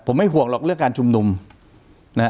ผมไม่ห่วงหรอกเรื่องการชุมนุมนะฮะ